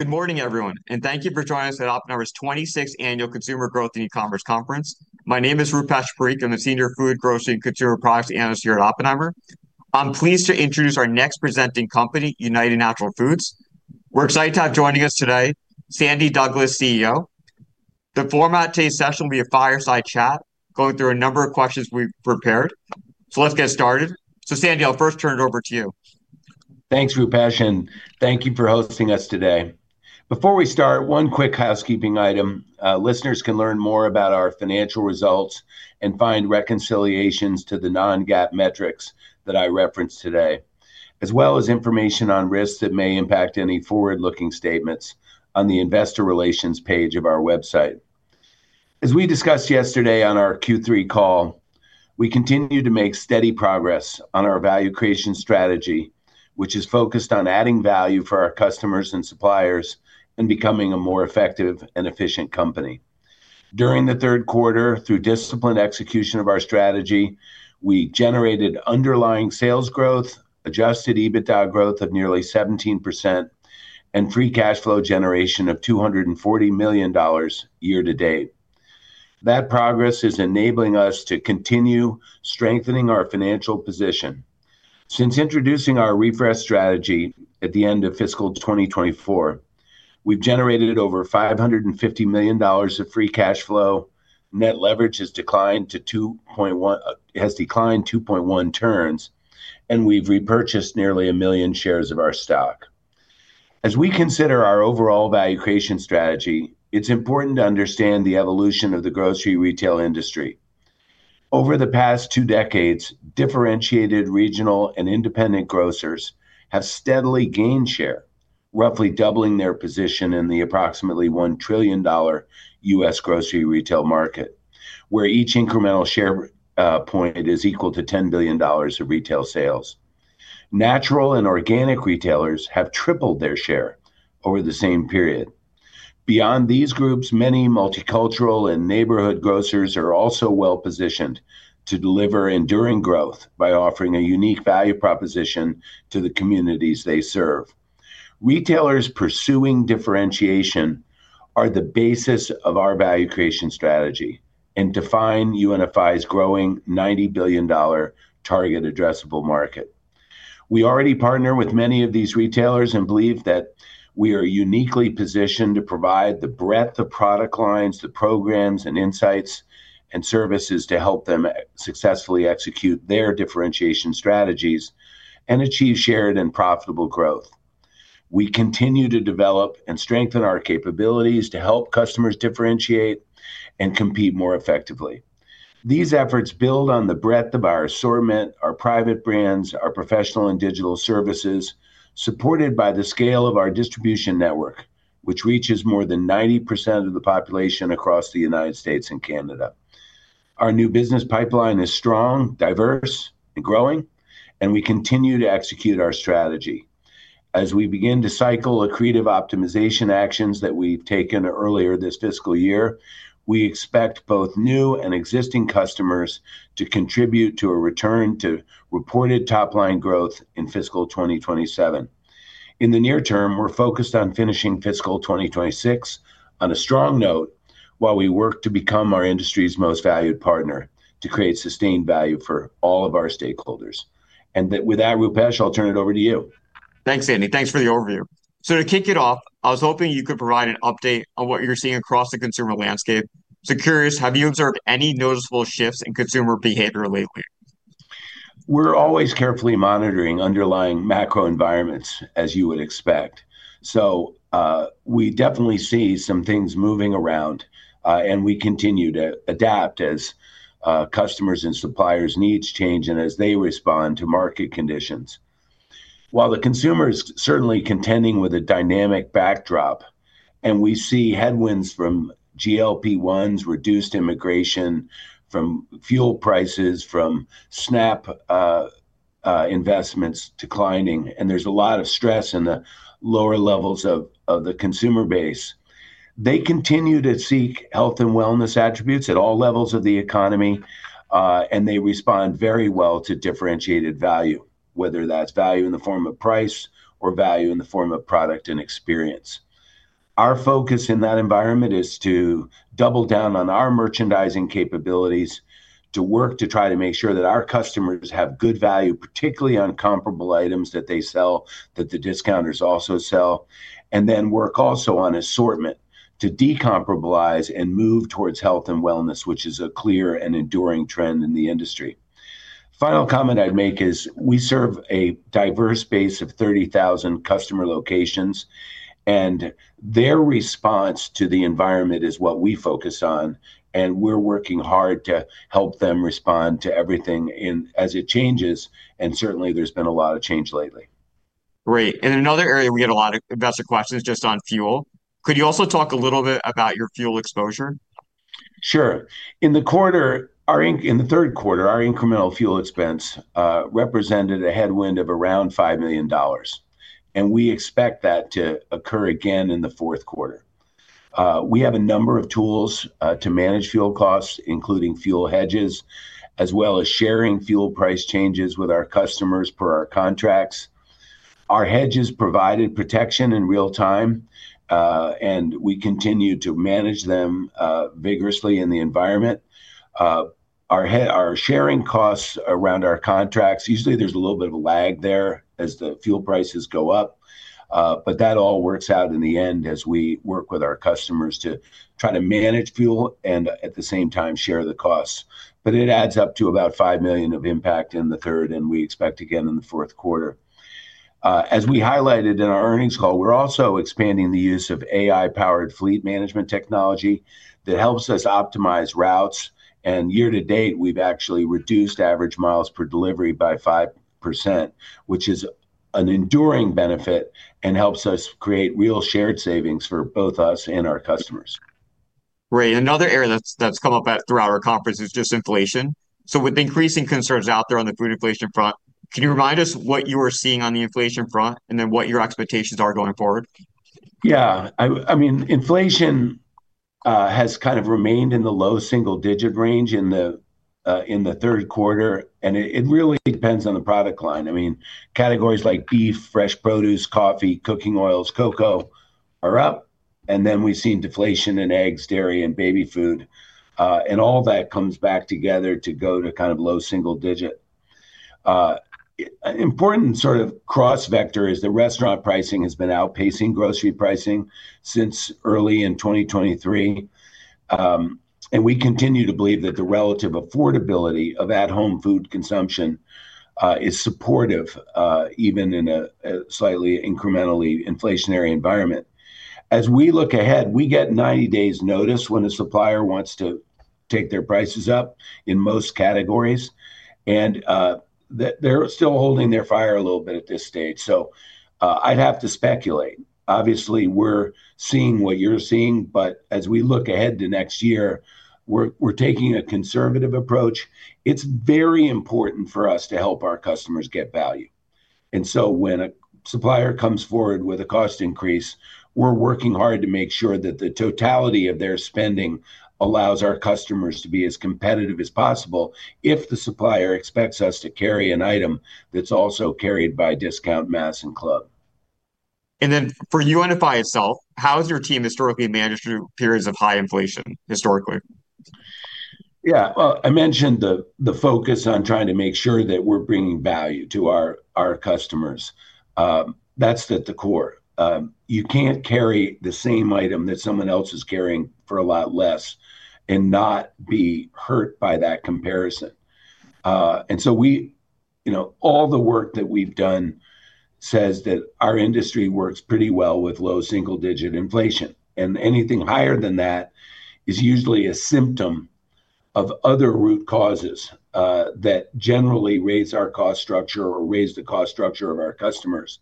Good morning, everyone, and thank you for joining us at Oppenheimer's 26th Annual Consumer Growth & Ecommerce Conference. My name is Rupesh Parikh. I'm the Senior Food, Grocery, and Consumer Products Analyst here at Oppenheimer. I'm pleased to introduce our next presenting company, United Natural Foods. We're excited to have joining us today, Sandy Douglas, CEO. The format of today's session will be a fireside chat, going through a number of questions we've prepared. Let's get started. Sandy, I'll first turn it over to you. Thanks, Rupesh, and thank you for hosting us today. Before we start, one quick housekeeping item. Listeners can learn more about our financial results and find reconciliations to the non-GAAP metrics that I reference today, as well as information on risks that may impact any forward-looking statements on the investor relations page of our website. As we discussed yesterday on our Q3 call, we continue to make steady progress on our value creation strategy, which is focused on adding value for our customers and suppliers, and becoming a more effective and efficient company. During the third quarter, through disciplined execution of our strategy, we generated underlying sales growth, adjusted EBITDA growth of nearly 17%, and free cash flow generation of $240 million year to date. That progress is enabling us to continue strengthening our financial position. Since introducing our refresh strategy at the end of fiscal 2024, we've generated over $550 million of free cash flow. Net leverage has declined 2.1 turns, and we've repurchased nearly a million shares of our stock. As we consider our overall value creation strategy, it's important to understand the evolution of the grocery retail industry. Over the past two decades, differentiated regional and independent grocers have steadily gained share, roughly doubling their position in the approximately $1 trillion U.S. grocery retail market, where each incremental share point is equal to $10 billion of retail sales. Natural and organic retailers have tripled their share over the same period. Beyond these groups, many multicultural and neighborhood grocers are also well-positioned to deliver enduring growth by offering a unique value proposition to the communities they serve. Retailers pursuing differentiation are the basis of our value creation strategy and define UNFI's growing $90 billion target addressable market. We already partner with many of these retailers and believe that we are uniquely positioned to provide the breadth of product lines, the programs and insights, and services to help them successfully execute their differentiation strategies and achieve shared and profitable growth. We continue to develop and strengthen our capabilities to help customers differentiate and compete more effectively. These efforts build on the breadth of our assortment, our private brands, our professional and digital services, supported by the scale of our distribution network, which reaches more than 90% of the population across the United States and Canada. Our new business pipeline is strong, diverse and growing, and we continue to execute our strategy. As we begin to cycle accretive optimization actions that we've taken earlier this fiscal year, we expect both new and existing customers to contribute to a return to reported top-line growth in fiscal 2027. In the near term, we're focused on finishing fiscal 2026 on a strong note, while we work to become our industry's most valued partner to create sustained value for all of our stakeholders. With that, Rupesh, I'll turn it over to you. Thanks, Sandy. Thanks for the overview. To kick it off, I was hoping you could provide an update on what you're seeing across the consumer landscape. Curious, have you observed any noticeable shifts in consumer behavior lately? We're always carefully monitoring underlying macro environments, as you would expect. We definitely see some things moving around, and we continue to adapt as customers' and suppliers' needs change and as they respond to market conditions. While the consumer is certainly contending with a dynamic backdrop, and we see headwinds from GLP-1s, reduced immigration, from fuel prices, from SNAP investments declining, and there's a lot of stress in the lower levels of the consumer base. They continue to seek health and wellness attributes at all levels of the economy, and they respond very well to differentiated value, whether that's value in the form of price or value in the form of product and experience. Our focus in that environment is to double down on our merchandising capabilities to work to try to make sure that our customers have good value, particularly on comparable items that they sell, that the discounters also sell, and then work also on assortment to decomparablize and move towards health and wellness, which is a clear and enduring trend in the industry. Final comment I'd make is we serve a diverse base of 30,000 customer locations, and their response to the environment is what we focus on, and we're working hard to help them respond to everything as it changes, and certainly there's been a lot of change lately. Great. In another area, we get a lot of investor questions just on fuel. Could you also talk a little bit about your fuel exposure? Sure. In the third quarter, our incremental fuel expense represented a headwind of around $5 million. We expect that to occur again in the fourth quarter. We have a number of tools to manage fuel costs, including fuel hedges, as well as sharing fuel price changes with our customers per our contracts. Our hedges provided protection in real-time, and we continue to manage them vigorously in the environment. Our sharing costs around our contracts, usually there's a little bit of a lag there as the fuel prices go up. That all works out in the end as we work with our customers to try to manage fuel and, at the same time, share the costs. It adds up to about $5 million of impact in the third, and we expect again in the fourth quarter. As we highlighted in our earnings call, we're also expanding the use of AI-powered fleet management technology that helps us optimize routes. Year to date, we've actually reduced average miles per delivery by 5%, which is an enduring benefit and helps us create real shared savings for both us and our customers. Right. Another area that's come up throughout our conference is just inflation. With increasing concerns out there on the food inflation front, can you remind us what you are seeing on the inflation front, what your expectations are going forward? Yeah. Inflation has kind of remained in the low single-digit range in the third quarter. It really depends on the product line. Categories like beef, fresh produce, coffee, cooking oils, cocoa are up. Then we've seen deflation in eggs, dairy, and baby food. All that comes back together to go to kind of low single digit. An important sort of cross-vector is that restaurant pricing has been outpacing grocery pricing since early in 2023. We continue to believe that the relative affordability of at-home food consumption is supportive, even in a slightly incrementally inflationary environment. As we look ahead, we get 90 days notice when a supplier wants to take their prices up in most categories. They're still holding their fire a little bit at this stage, so I'd have to speculate. Obviously, we're seeing what you're seeing. As we look ahead to next year, we're taking a conservative approach. It's very important for us to help our customers get value. When a supplier comes forward with a cost increase, we're working hard to make sure that the totality of their spending allows our customers to be as competitive as possible if the supplier expects us to carry an item that's also carried by discount mass and club. For UNFI itself, how has your team historically managed through periods of high inflation, historically? Yeah. Well, I mentioned the focus on trying to make sure that we're bringing value to our customers. That's at the core. You can't carry the same item that someone else is carrying for a lot less and not be hurt by that comparison. All the work that we've done says that our industry works pretty well with low single-digit inflation. Anything higher than that is usually a symptom of other root causes that generally raise our cost structure or raise the cost structure of our customers.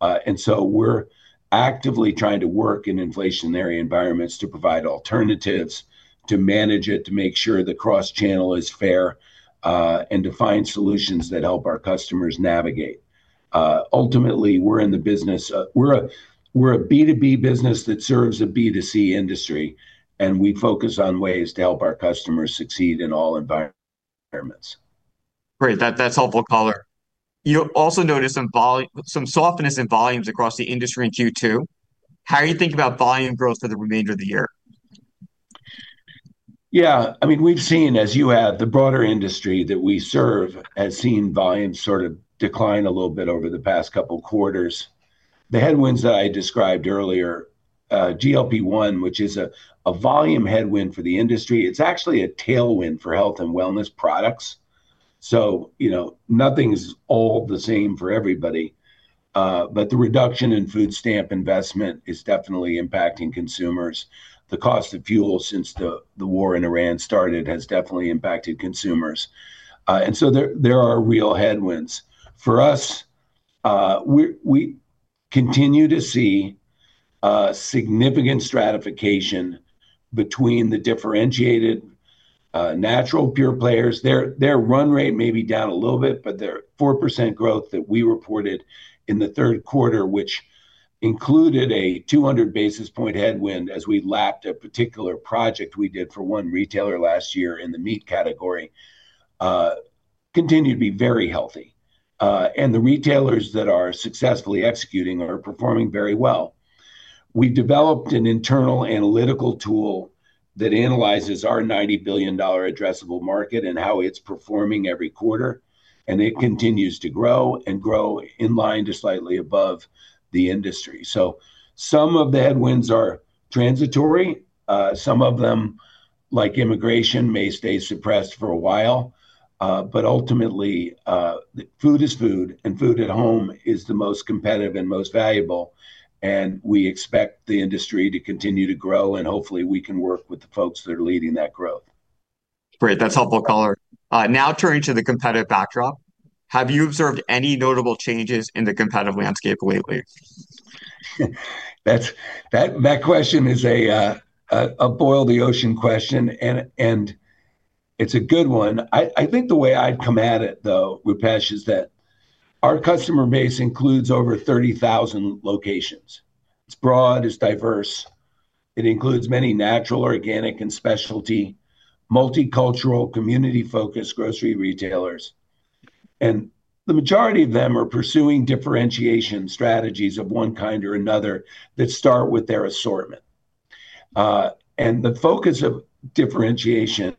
We're actively trying to work in inflationary environments to provide alternatives, to manage it, to make sure the cross-channel is fair, and to find solutions that help our customers navigate. Ultimately, we're a B2B business that serves a B2C industry. We focus on ways to help our customers succeed in all environments. Great. That's helpful color. You also noticed some softness in volumes across the industry in Q2. How are you thinking about volume growth for the remainder of the year? Yeah. We've seen, as you have, the broader industry that we serve has seen volumes sort of decline a little bit over the past couple of quarters. The headwinds that I described earlier, GLP-1, which is a volume headwind for the industry. It's actually a tailwind for health and wellness products. Nothing is all the same for everybody. The reduction in food stamp investment is definitely impacting consumers. The cost of fuel since the war in Iran started has definitely impacted consumers. There are real headwinds. For us, we continue to see significant stratification between the differentiated natural pure players. Their run rate may be down a little bit, but their 4% growth that we reported in the third quarter, which included a 200 basis points headwind as we lapped a particular project we did for one retailer last year in the meat category, continued to be very healthy. The retailers that are successfully executing are performing very well. We've developed an internal analytical tool that analyzes our $90 billion addressable market and how it's performing every quarter. It continues to grow and grow in line to slightly above the industry. Some of the headwinds are transitory. Some of them, like immigration, may stay suppressed for a while. Ultimately, food is food, and food at home is the most competitive and most valuable. We expect the industry to continue to grow, and hopefully, we can work with the folks that are leading that growth. Great. That's helpful color. Now turning to the competitive backdrop. Have you observed any notable changes in the competitive landscape lately? That question is a boil the ocean question, and it's a good one. I think the way I'd come at it, though, Rupesh, is that our customer base includes over 30,000 locations. It's broad, it's diverse. It includes many natural, organic, and specialty, multicultural, community-focused grocery retailers. The majority of them are pursuing differentiation strategies of one kind or another that start with their assortment. The focus of differentiation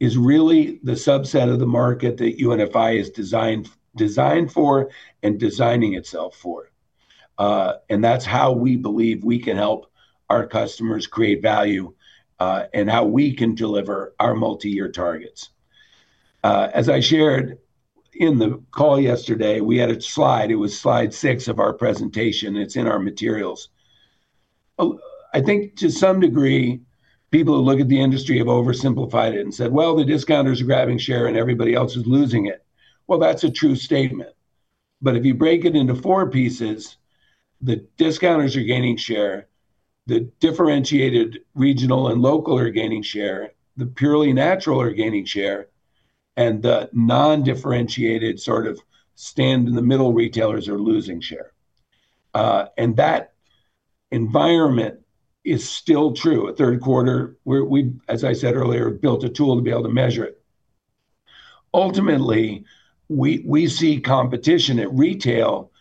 is really the subset of the market that UNFI is designed for and designing itself for. That's how we believe we can help our customers create value, and how we can deliver our multi-year targets. As I shared in the call yesterday, we had a slide. It was slide six of our presentation. It's in our materials. I think to some degree, people who look at the industry have oversimplified it and said, "Well, the discounters are grabbing share and everybody else is losing it." Well, that's a true statement. If you break it into four pieces, the discounters are gaining share, the differentiated regional and local are gaining share, the purely natural are gaining share, and the non-differentiated sort of stand-in-the-middle retailers are losing share. That environment is still true. At third quarter, we, as I said earlier, built a tool to be able to measure it. Ultimately, we see competition at retail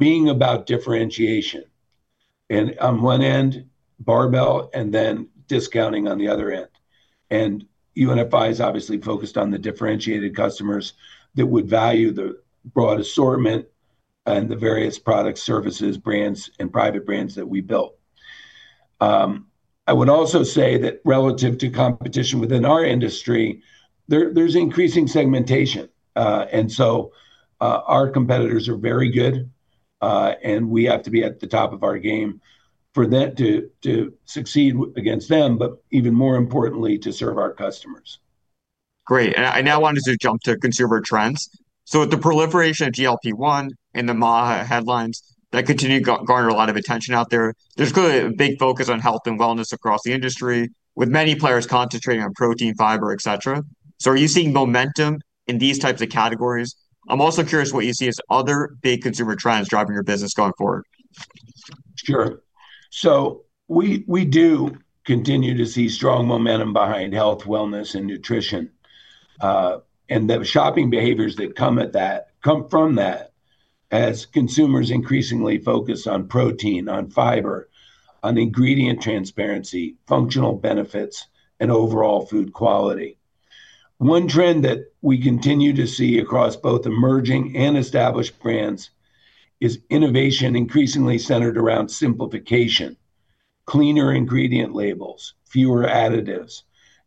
being about differentiation. On one end, barbell, and then discounting on the other end. UNFI is obviously focused on the differentiated customers that would value the broad assortment and the various product services, brands, and private brands that we built. I would also say that relative to competition within our industry, there's increasing segmentation. Our competitors are very good, and we have to be at the top of our game to succeed against them, but even more importantly, to serve our customers. Great. I now wanted to jump to consumer trends. With the proliferation of GLP-1 and the MAHA headlines that continue to garner a lot of attention out there's clearly a big focus on health and wellness across the industry, with many players concentrating on protein, fiber, et cetera. Are you seeing momentum in these types of categories? I'm also curious what you see as other big consumer trends driving your business going forward. Sure. We do continue to see strong momentum behind health, wellness, and nutrition. The shopping behaviors that come from that, as consumers increasingly focus on protein, on fiber, on ingredient transparency, functional benefits, and overall food quality. One trend that we continue to see across both emerging and established brands is innovation increasingly centered around simplification. Cleaner ingredient labels, fewer additives,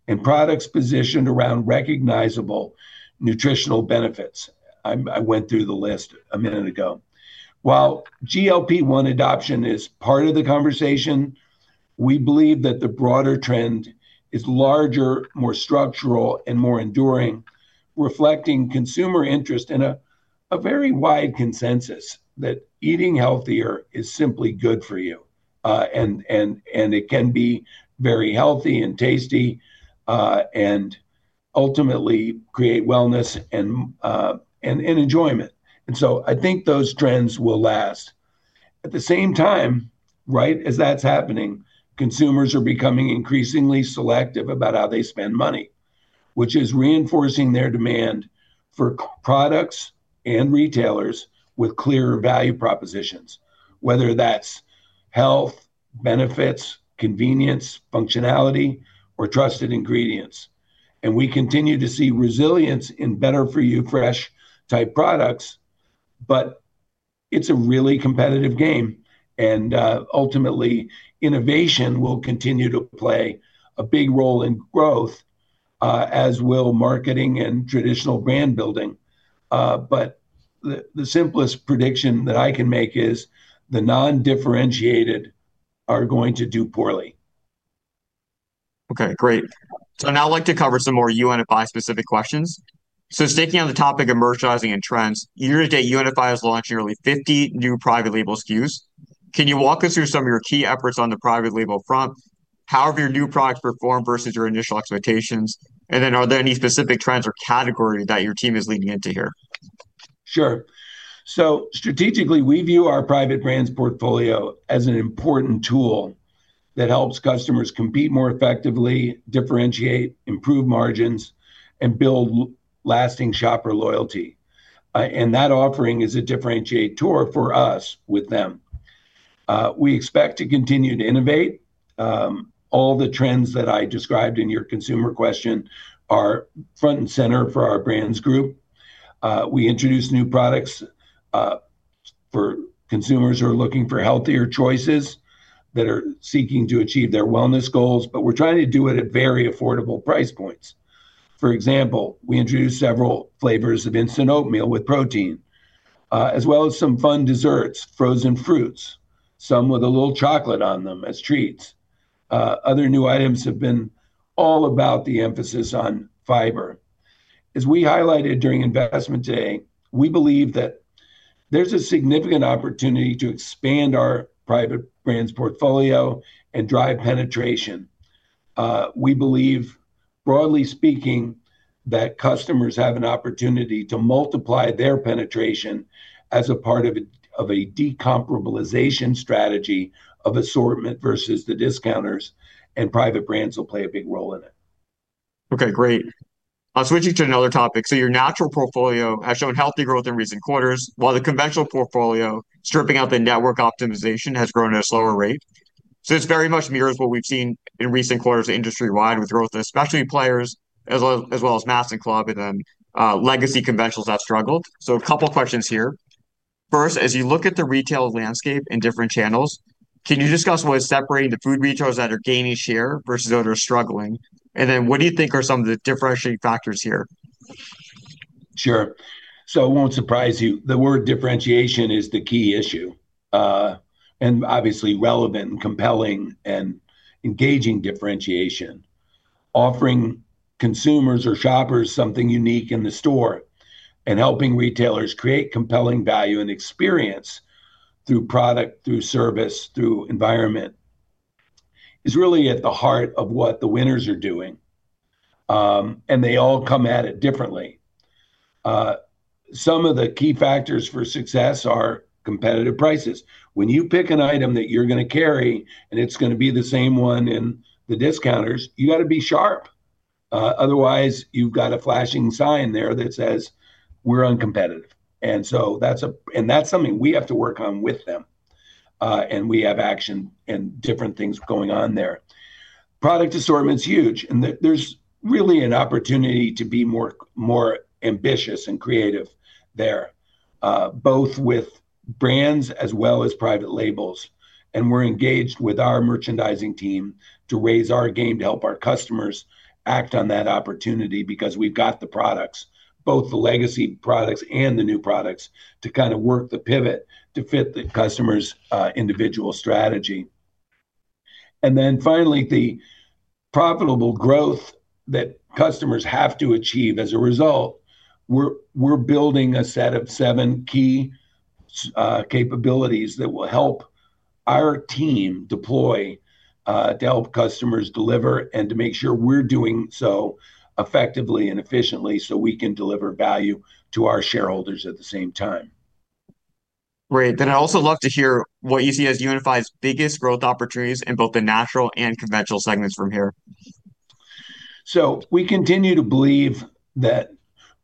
and products positioned around recognizable nutritional benefits. I went through the list a minute ago. While GLP-1 adoption is part of the conversation, we believe that the broader trend is larger, more structural, and more enduring, reflecting consumer interest in a very wide consensus that eating healthier is simply good for you. It can be very healthy and tasty, and ultimately create wellness and enjoyment. I think those trends will last. At the same time, right as that's happening, consumers are becoming increasingly selective about how they spend money, which is reinforcing their demand for products and retailers with clearer value propositions, whether that's health, benefits, convenience, functionality, or trusted ingredients. We continue to see resilience in better-for-you fresh type products, but it's a really competitive game. Ultimately, innovation will continue to play a big role in growth, as will marketing and traditional brand building. The simplest prediction that I can make is the non-differentiated are going to do poorly. Okay, great. Now I'd like to cover some more UNFI-specific questions. Sticking on the topic of merchandising and trends, year-to-date, UNFI has launched nearly 50 new private label SKUs. Can you walk us through some of your key efforts on the private label front? How have your new products performed versus your initial expectations? Are there any specific trends or categories that your team is leaning into here? Sure. Strategically, we view our private brands portfolio as an important tool that helps customers compete more effectively, differentiate, improve margins, and build lasting shopper loyalty. That offering is a differentiator for us with them. We expect to continue to innovate. All the trends that I described in your consumer question are front and center for our brands group. We introduced new products for consumers who are looking for healthier choices, that are seeking to achieve their wellness goals. We're trying to do it at very affordable price points. For example, we introduced several flavors of instant oatmeal with protein, as well as some fun desserts, frozen fruits, some with a little chocolate on them as treats. Other new items have been all about the emphasis on fiber. As we highlighted during investment day, we believe that there's a significant opportunity to expand our private brands portfolio and drive penetration. We believe, broadly speaking, that customers have an opportunity to multiply their penetration as a part of a de-comparabilization strategy of assortment versus the discounters, and private brands will play a big role in it. Okay, great. I'll switch you to another topic. Your natural portfolio has shown healthy growth in recent quarters, while the conventional portfolio, stripping out the network optimization, has grown at a slower rate. It very much mirrors what we've seen in recent quarters industry-wide with growth, especially players, as well as mass and club, and then legacy conventionals have struggled. A couple questions here. First, as you look at the retail landscape in different channels, can you discuss what is separating the food retailers that are gaining share versus those that are struggling? What do you think are some of the differentiating factors here? Sure. It won't surprise you, the word differentiation is the key issue. Obviously relevant and compelling and engaging differentiation. Offering consumers or shoppers something unique in the store and helping retailers create compelling value and experience through product, through service, through environment, is really at the heart of what the winners are doing. They all come at it differently. Some of the key factors for success are competitive prices. When you pick an item that you're going to carry and it's going to be the same one in the discounters, you got to be sharp. Otherwise, you've got a flashing sign there that says, "We're uncompetitive." That's something we have to work on with them. We have action and different things going on there. Product assortment's huge. There's really an opportunity to be more ambitious and creative there, both with brands as well as private labels. We're engaged with our merchandising team to raise our game to help our customers act on that opportunity because we've got the products, both the legacy products and the new products, to kind of work the pivot to fit the customer's individual strategy. Finally, the profitable growth that customers have to achieve as a result, we're building a set of seven key capabilities that will help our team deploy, to help customers deliver, and to make sure we're doing so effectively and efficiently so we can deliver value to our shareholders at the same time. Great. I'd also love to hear what you see as UNFI's biggest growth opportunities in both the natural and conventional segments from here. We continue to believe that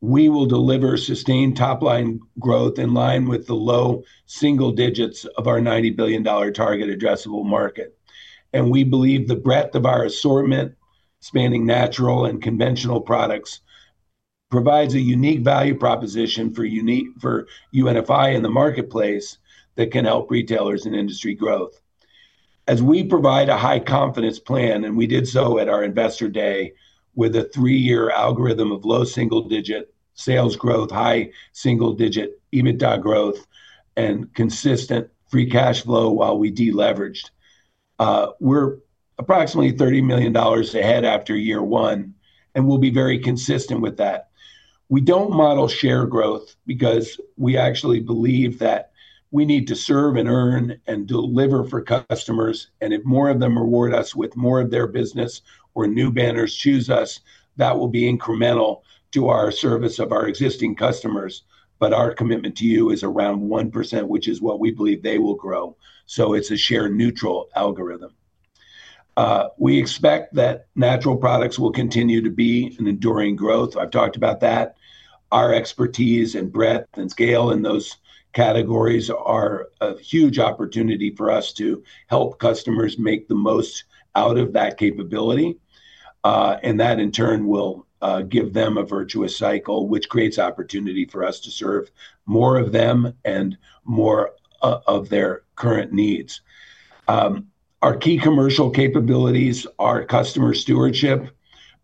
we will deliver sustained top-line growth in line with the low single digits of our $90 billion target addressable market. We believe the breadth of our assortment, spanning natural and conventional products, provides a unique value proposition for UNFI in the marketplace that can help retailers and industry growth. We provide a high-confidence plan, and we did so at our investor day, with a three-year algorithm of low single-digit sales growth, high single-digit EBITDA growth, and consistent free cash flow while we deleveraged. We're approximately $30 million ahead after year one, and we'll be very consistent with that. We don't model share growth because we actually believe that we need to serve and earn and deliver for customers, and if more of them reward us with more of their business or new banners choose us, that will be incremental to our service of our existing customers. Our commitment to you is around 1%, which is what we believe they will grow. It's a share neutral algorithm. We expect that natural products will continue to be an enduring growth. I've talked about that. Our expertise and breadth and scale in those categories are a huge opportunity for us to help customers make the most out of that capability. That in turn will give them a virtuous cycle, which creates opportunity for us to serve more of them and more of their current needs. Our key commercial capabilities are customer stewardship,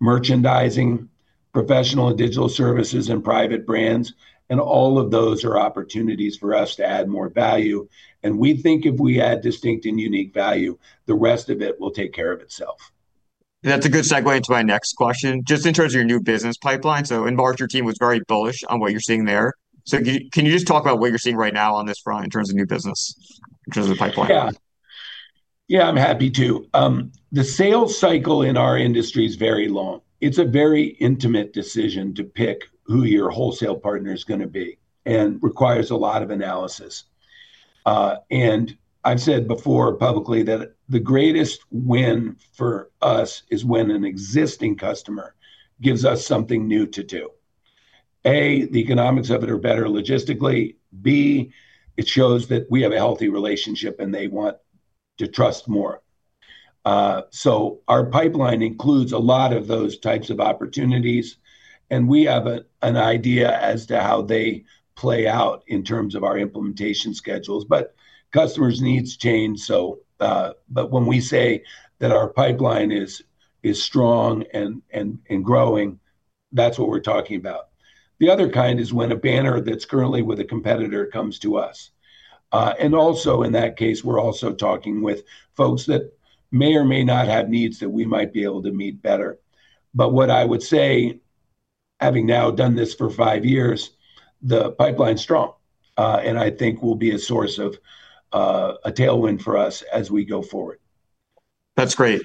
merchandising, professional and digital services, and private brands, and all of those are opportunities for us to add more value. We think if we add distinct and unique value, the rest of it will take care of itself. That's a good segue into my next question. Just in terms of your new business pipeline, in large, your team was very bullish on what you're seeing there. Can you just talk about what you're seeing right now on this front in terms of new business, in terms of the pipeline? Yeah. Yeah, I'm happy to. The sales cycle in our industry is very long. It's a very intimate decision to pick who your wholesale partner's going to be and requires a lot of analysis. I've said before publicly that the greatest win for us is when an existing customer gives us something new to do. A, the economics of it are better logistically. B, it shows that we have a healthy relationship, and they want to trust more. Our pipeline includes a lot of those types of opportunities, and we have an idea as to how they play out in terms of our implementation schedules. Customers' needs change, so, but when we say that our pipeline is strong and growing, that's what we're talking about. The other kind is when a banner that's currently with a competitor comes to us. Also in that case, we're also talking with folks that may or may not have needs that we might be able to meet better. What I would say, having now done this for five years, the pipeline's strong, and I think will be a source of a tailwind for us as we go forward. That's great.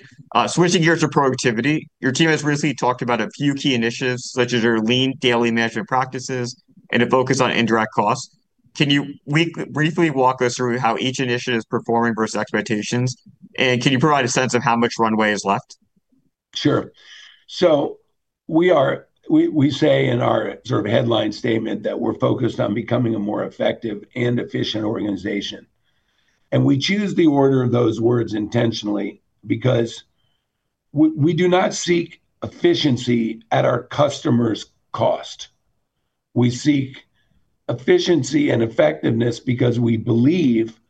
Switching gears to productivity, your team has recently talked about a few key initiatives, such as your Lean Daily Management practices and a focus on indirect costs. Can you briefly walk us through how each initiative is performing versus expectations, and can you provide a sense of how much runway is left? We say in our headline statement that we're focused on becoming a more effective and efficient organization. We choose the order of those words intentionally because we do not seek efficiency at our customer's cost. We seek efficiency and effectiveness because we believe,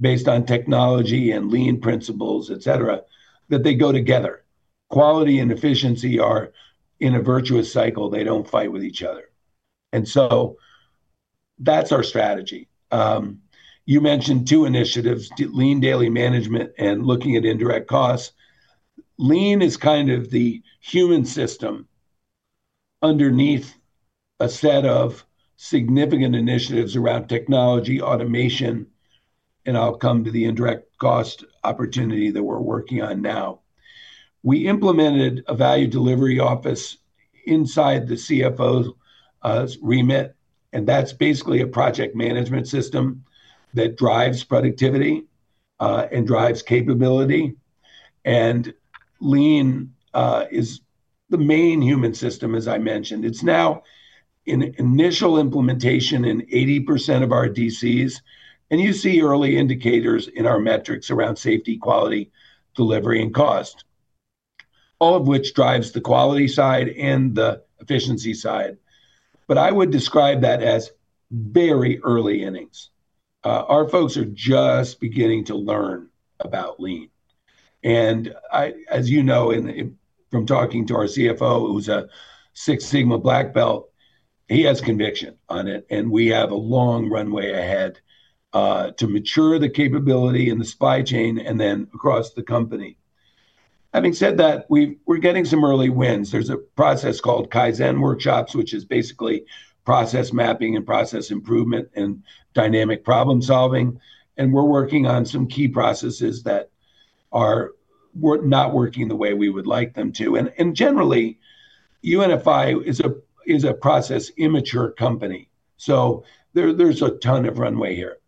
based on technology and lean principles, et cetera, that they go together. Quality and efficiency are in a virtuous cycle. They don't fight with each other. That's our strategy. You mentioned two initiatives, Lean Daily Management and looking at indirect costs. Lean is kind of the human system underneath a set of significant initiatives around technology, automation, and outcome to the indirect cost opportunity that we're working on now. We implemented a value delivery office inside the CFO's remit, and that's basically a project management system that drives productivity, and drives capability. Lean is the main human system, as I mentioned. It's now in initial implementation in 80% of our DCs, and you see early indicators in our metrics around safety, quality, delivery, and cost, all of which drives the quality side and the efficiency side. I would describe that as very early innings. Our folks are just beginning to learn about lean. As you know from talking to our CFO, who's a Six Sigma Black Belt, he has conviction on it, and we have a long runway ahead to mature the capability in the supply chain and then across the company. Having said that, we're getting some early wins. There's a process called Kaizen workshops, which is basically process mapping and process improvement and dynamic problem-solving, and we're working on some key processes that are not working the way we would like them to. Generally, UNFI is a process-immature company, so there's a ton of runway here.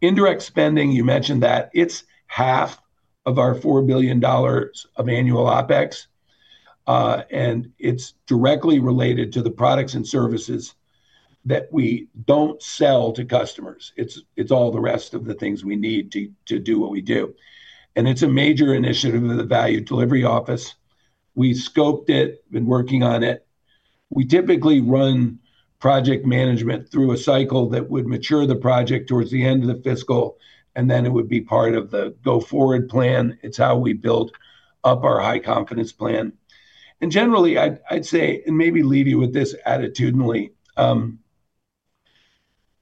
Indirect spending, you mentioned that. It's half of our $4 billion of annual OPEX, and it's directly related to the products and services that we don't sell to customers. It's all the rest of the things we need to do what we do. It's a major initiative of the value delivery office. We scoped it, been working on it. We typically run project management through a cycle that would mature the project towards the end of the fiscal, and then it would be part of the go-forward plan. It's how we build up our high-confidence plan. Generally, I'd say, and maybe leave you with this attitudinally,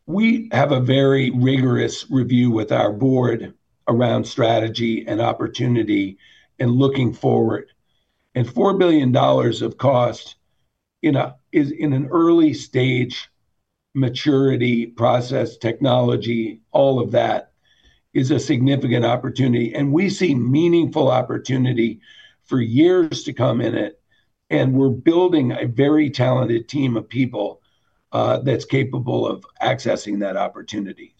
we have a very rigorous review with our board around strategy and opportunity and looking forward. $4 billion of cost in an early-stage maturity process technology, all of that, is a significant opportunity, and we see meaningful opportunity for years to come in it, and we're building a very talented team of people that's capable of accessing that opportunity.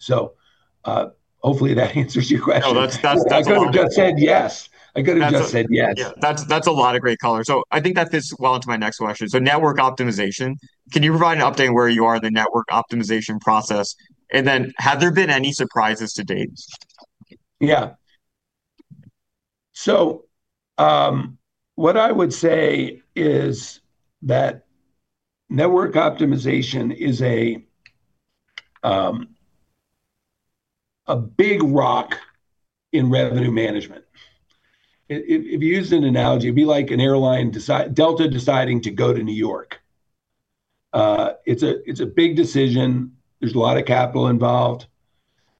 Hopefully that answers your question. No, that's a lot. I could've just said yes. I could've just said yes. Yeah. That's a lot of great color. I think that fits well into my next question. Network optimization, can you provide an update where you are in the network optimization process, and then have there been any surprises to date? Yeah. What I would say is that network optimization is a big rock in revenue management. If you use an analogy, it'd be like an airline, Delta deciding to go to New York. It's a big decision. There's a lot of capital involved.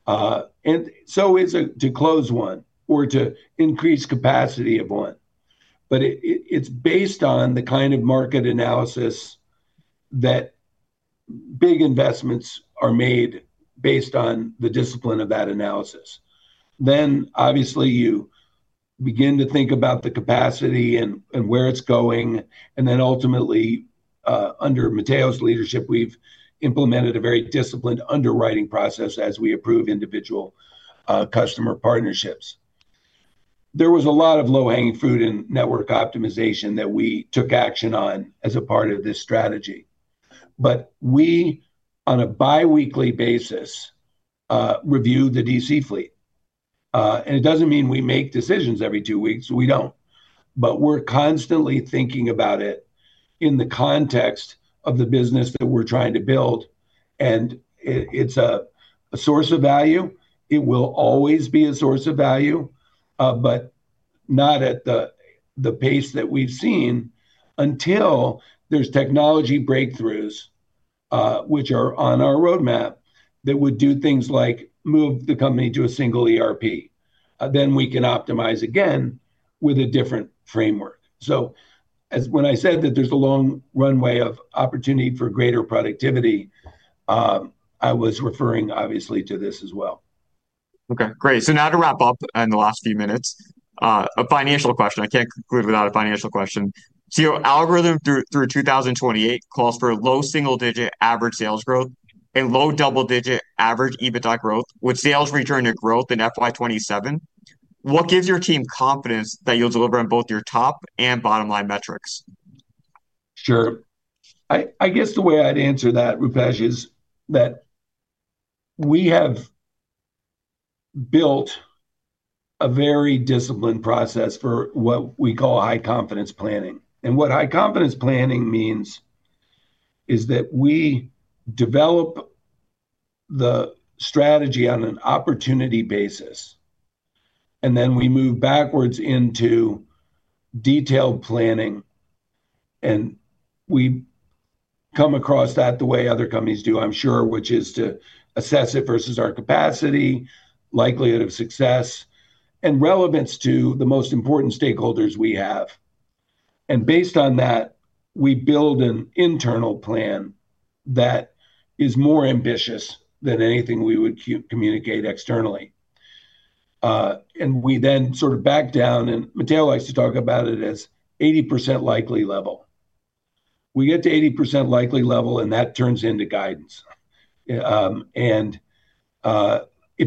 It is to close one or to increase capacity of one. It's based on the kind of market analysis that big investments are made based on the discipline of that analysis. Obviously you begin to think about the capacity and where it's going, and then ultimately, under Matteo's leadership, we've implemented a very disciplined underwriting process as we approve individual customer partnerships. There was a lot of low-hanging fruit in network optimization that we took action on as a part of this strategy. We, on a biweekly basis, review the DC fleet. It doesn't mean we make decisions every two weeks. We don't. We're constantly thinking about it in the context of the business that we're trying to build, and it's a source of value. It will always be a source of value, but not at the pace that we've seen until there's technology breakthroughs which are on our roadmap that would do things like move the company to a single ERP. We can optimize again with a different framework. When I said that there's a long runway of opportunity for greater productivity, I was referring obviously to this as well. Okay, great. Now to wrap up in the last few minutes, a financial question. I can't conclude without a financial question. Your algorithm through 2028 calls for low single-digit average sales growth and low double-digit average EBITDA growth, with sales return to growth in FY 2027. What gives your team confidence that you'll deliver on both your top and bottom line metrics? Sure. I guess the way I'd answer that, Rupesh, is that we have built a very disciplined process for what we call high-confidence planning. What high-confidence planning means is that we develop the strategy on an opportunity basis, we move backwards into detailed planning. We come across that the way other companies do, I'm sure, which is to assess it versus our capacity, likelihood of success, and relevance to the most important stakeholders we have. Based on that, we build an internal plan that is more ambitious than anything we would communicate externally. We sort of back down, and Matteo likes to talk about it as 80% likely level. We get to 80% likely level, and that turns into guidance. If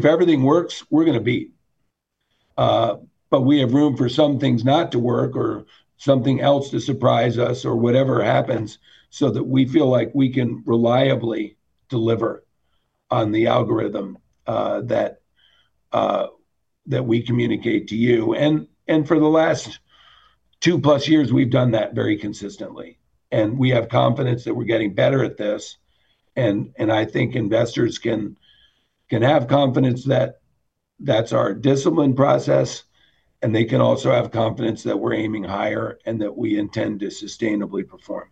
everything works, we're going to beat. We have room for some things not to work or something else to surprise us or whatever happens so that we feel like we can reliably deliver on the algorithm that we communicate to you. For the last 2+ years, we've done that very consistently, and we have confidence that we're getting better at this. I think investors can have confidence that that's our disciplined process, and they can also have confidence that we're aiming higher and that we intend to sustainably perform.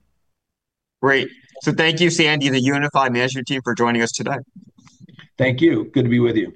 Great. Thank you, Sandy, the United Natural Foods team for joining us today. Thank you. Good to be with you